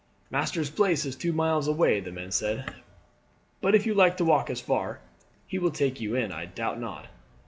"Master's place is two miles away," the man said; "but if you like to walk as far, he will take you in, I doubt not."